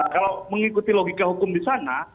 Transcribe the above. kalau mengikuti logika hukum di sana